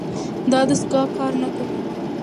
دا دستګاه کار کوي.